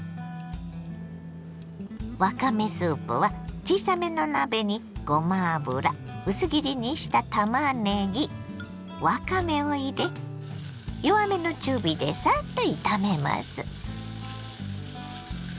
わかめスープは小さめの鍋にごま油薄切りにしたたまねぎわかめを入れ弱めの中火でサッと炒めます。